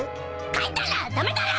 帰ったら駄目だろ！